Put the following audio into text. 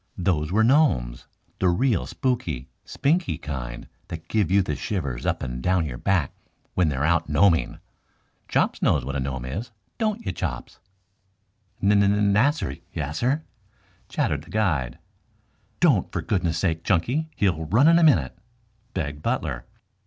Those were gnomes the real spooky, spinky kind that give you the shivers up and down your back when they're out gnoming. Chops knows what a gnome is, don't you, Chops?" "N n n nassir, yassir," chattered the guide. "Don't, for goodness' sake, Chunky. He'll run in a minute," begged Butler.